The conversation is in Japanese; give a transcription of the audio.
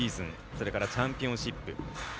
それから、チャンピオンシップ。